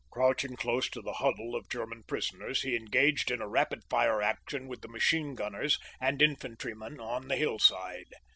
Crouching close to the huddle of German prisoners, he engaged in a rapid fire action with the machine gunners and infantrymen on the hillside.